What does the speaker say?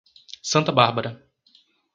Santa Bárbara